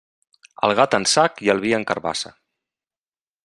El gat en sac i el vi en carabassa.